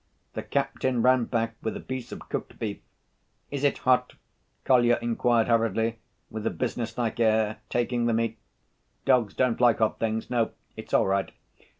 The captain ran back with a piece of cooked beef. "Is it hot?" Kolya inquired hurriedly, with a business‐like air, taking the meat. "Dogs don't like hot things. No, it's all right.